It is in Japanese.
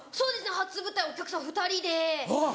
初舞台お客さん２人で。